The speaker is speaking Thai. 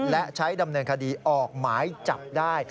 และใช้ดำเนินคดีออกหมายจับได้